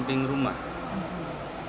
itu di garasi